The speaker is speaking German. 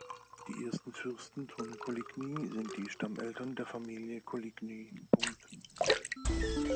Die ersten Fürsten von Coligny sind die Stammeltern der Familie Coligny.